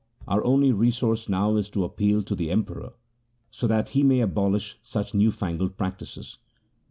Our only resource now is to appeal to the Emperor, so that he may abolish such new fangled practices.'